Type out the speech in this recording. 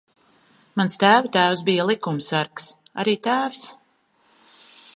Mans tēva tēvs bija likumsargs. Arī tēvs.